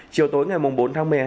chiều tối ngày bốn tháng một mươi hai